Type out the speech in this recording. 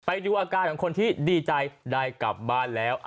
ไปดูอาการของคนที่ดีใจได้กลับบ้านแล้ว